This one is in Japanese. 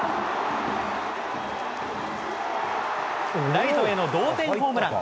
ライトへの同点ホームラン。